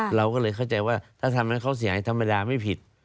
เราก็เลยเข้าใจว่าถ้าทำให้เขาเสียหายธรรมดาไม่ผิด